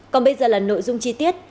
còn bây giờ là nội dung chi tiết